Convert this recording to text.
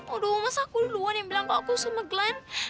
aduh masa aku duluan yang bilang kalau aku suka sama glenn